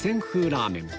ラーメン